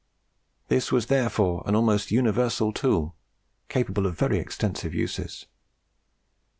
This was therefore an almost universal tool, capable of very extensive uses.